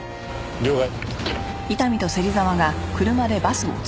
了解。